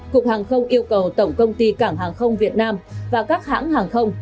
cục hàng không yêu cầu tổng công ty cảng hàng không việt nam và các hãng hàng không